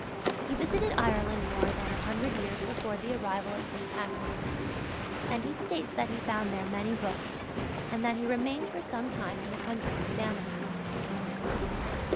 He visited Ireland more than a hundred years before the arrival of St. Patrick; and he states that he found there many books, and that he remained for some time in the country examining them.